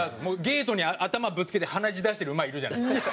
ゲートに頭ぶつけて鼻血出してる馬いるじゃないですか。